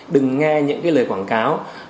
đừng nghe những lời quảng cáo